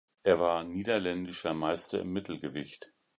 Er war niederländischer Meister im Mittelgewicht.